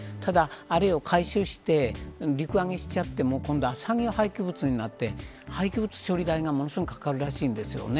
あれを回収して陸揚げしちゃっても、今度は産業廃棄物になって廃棄物処理代がものすごいかかるらしいんですよ。